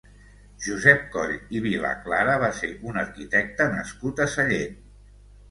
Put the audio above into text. Josep Coll i Vilaclara va ser un arquitecte nascut a Sallent.